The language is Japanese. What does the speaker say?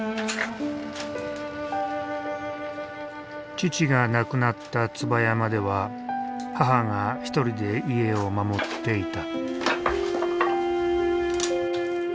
父が亡くなった椿山では母が一人で家を守っていた。